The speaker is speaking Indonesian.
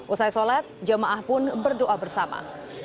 usai sholat jemaah pun berdoa bersama